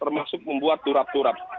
termasuk membuat turap turap